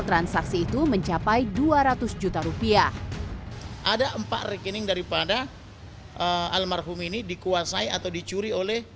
transaksi itu mencapai dua ratus juta rupiah ada empat rekening daripada almarhum ini dikuasai atau dicuri oleh